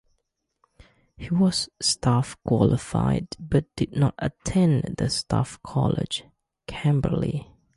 He was staff qualified, but did not attend the Staff College, Camberley.